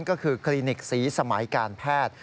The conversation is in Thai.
ก็คือคลินิกสีสมัยการแพทย์